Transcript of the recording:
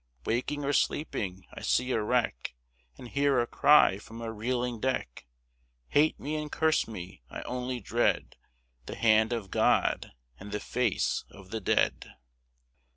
Waking or sleeping, I see a wreck, And hear a cry from a reeling deck! Hate me and curse me, I only dread The hand of God and the face of the dead!"